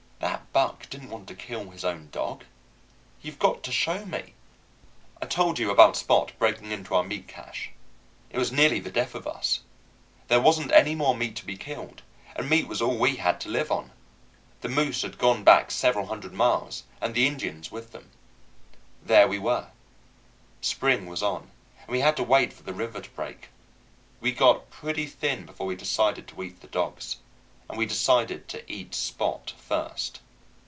That buck didn't want to kill his own dog. You've got to show me. I told you about Spot breaking into our meat cache. It was nearly the death of us. There wasn't any more meat to be killed, and meat was all we had to live on. The moose had gone back several hundred miles and the Indians with them. There we were. Spring was on, and we had to wait for the river to break. We got pretty thin before we decided to eat the dogs, and we decided to eat Spot first.